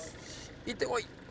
いってこい！